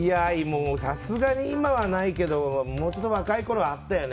さすがに今はないけどもうちょっと若い時はあったよね。